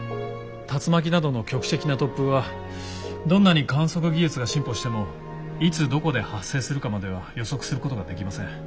竜巻などの局地的な突風はどんなに観測技術が進歩してもいつどこで発生するかまでは予測することができません。